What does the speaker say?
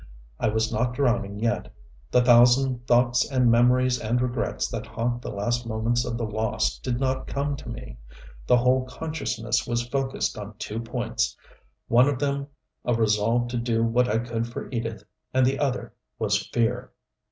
I was not drowning yet. The thousand thoughts and memories and regrets that haunt the last moments of the lost did not come to me. The whole consciousness was focussed on two points: one of them a resolve to do what I could for Edith, and the other was fear.